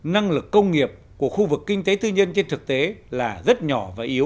năng lực công nghiệp của khu vực kinh tế tư nhân trên thực tế là rất nhỏ và yếu